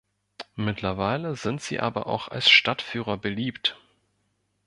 Mittlerweile sind sie aber auch als Stadtführer beliebt.